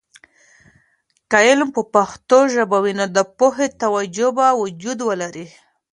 که علم په پښتو وي، نو د پوهې توجه به وجود ولري.